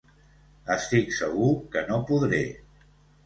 Estic segur que no podré!